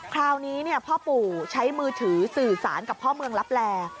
คราวนี้พ่อปู่ใช้มือถือสื่อสารกับพ่อเมืองลับแล